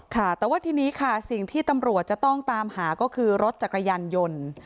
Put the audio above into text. ค่ะแต่ว่าทีนี้ค่ะสิ่งที่ตำรวจจะต้องตามหาก็คือรถจักรยานยนต์